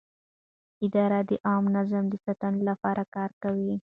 اداره د عامه نظم د ساتنې لپاره کار کوي.